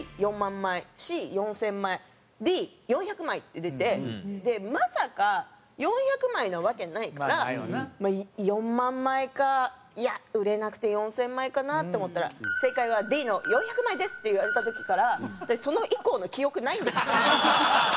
枚Ｃ４０００枚Ｄ４００枚って出てまさか４００枚なわけないから４万枚かいや売れなくて４０００枚かなって思ったら正解はＤの４００枚ですって言われた時からその以降の記憶ないんですよ。